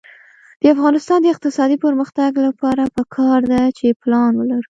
د افغانستان د اقتصادي پرمختګ لپاره پکار ده چې پلان ولرو.